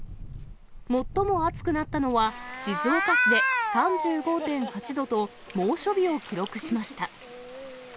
最も暑くなったのは、静岡市で３５．８度と、猛暑日を記録しました。